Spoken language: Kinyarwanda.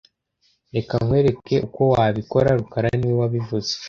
Reka nkwereke uko wabikora rukara niwe wabivuze